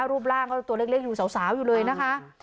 รูปร่างก็ตัวเล็กอยู่สาวอยู่เลยนะคะ